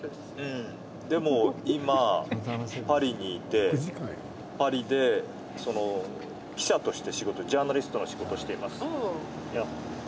でも今パリにいて、パリで記者としてジャーナリストの仕事をしています。